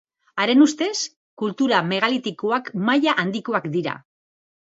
Haren ustez kultura megalitikoak maila handikoak dira.